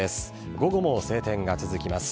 午後も晴天が続きます。